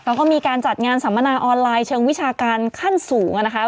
เขาก็มีการจัดงานสัมมนาออนไลน์เชิงวิชาการขั้นสูงนะคะ